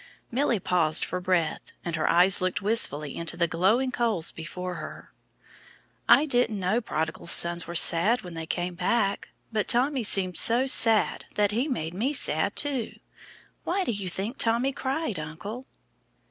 Milly paused for breath, and her eyes looked wistfully into the glowing coals before her. "I didn't know prodigal sons were sad when they came back, but Tommy seemed so sad that he made me sad too. Why do you think Tommy cried, uncle?"